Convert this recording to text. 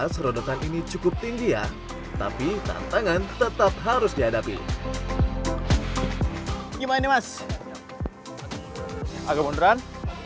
serodotan ini cukup tinggi ya tapi tantangan tetap harus dihadapi gimana mas agak modern